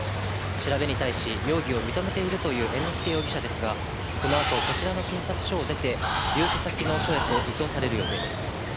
調べに対し、容疑を認めているという猿之助容疑者ですが、このあと、こちらの警察署を出て、留置先の署へと移送される予定です。